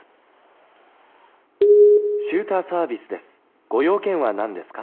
「シューターサービスです。